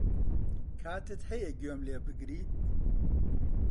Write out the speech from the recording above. کاتت هەیە گوێم لێ بگریت؟